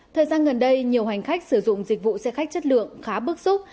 thời gian gần đây nhiều hành khách sử dụng dịch vụ xe khách chất lượng khá bức xúc